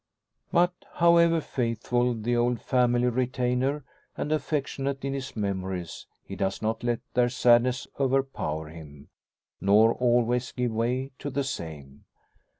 But, however, faithful the old family retainer, and affectionate in his memories, he does not let their sadness overpower him, nor always give way to the same.